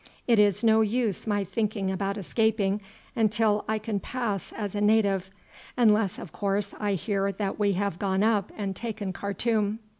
It is no use my thinking about escaping until I can pass as a native, unless, of course, I hear that we have gone up and taken Khartoum.